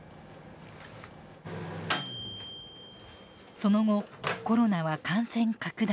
その後コロナは感染拡大。